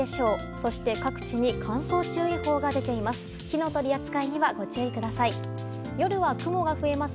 そして各地に乾燥注意報が出ています。